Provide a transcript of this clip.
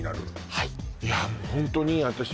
はい